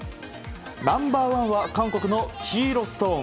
ナンバー１は韓国の黄色ストーン。